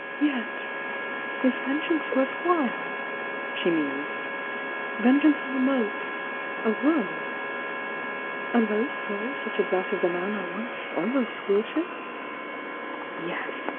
"Yet^is vengeance worth while?" she mused— "Vengeance on a mote — a worm — a low soul such as that of the man I once almost worshipped? Yes!